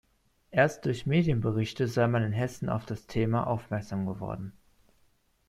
Erst durch Medienberichte sei man in Hessen auf das Thema aufmerksam geworden.